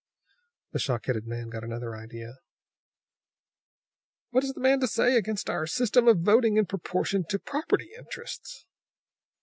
The shock headed man got another idea. "What has the man to say against our system of voting in proportion to property interests?"